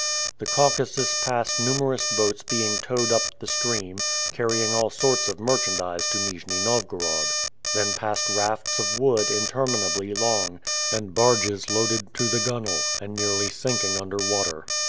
The Caucasus passed numerous boats being towed up the stream, carrying all sorts of merchandise to Nijni Novgorod. Then passed rafts of wood interminably long, and barges loaded to the gunwale, and nearly sinking under water.